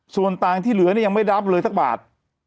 ส่วนต่างที่เหลือเนี่ยยังไม่รับเลยสักบาท